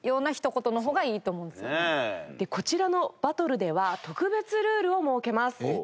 こちらのバトルでは特別ルールを設けます。